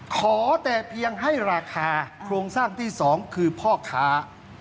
ขอแต่เพียงให้ราคาโครงสร้างที่๒คือพ่อค้า